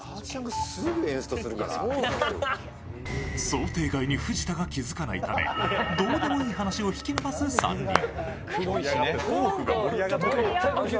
想定外に藤田が気付かないためどうでもいい話を引き出す３人。